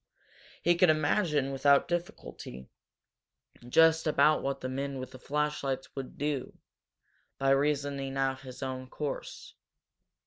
He could imagine, without difficulty, just about what the men with the flashlights would do, by reasoning out his own course.